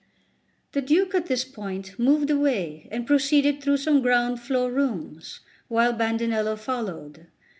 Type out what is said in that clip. The Duke at this point moved away, and proceeded through some ground floor rooms, while Bandinello followed.